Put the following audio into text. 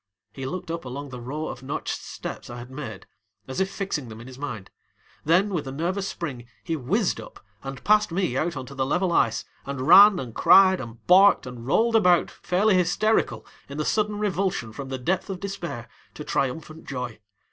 He looked up along the row of notched steps I had made, as if fixing them in his mind, then with a nervous spring he whizzed up and passed me out on to the level ice, and ran and cried and barked and rolled about fairly hysterical in the sudden revulsion from the depth of despair to triumphant joy.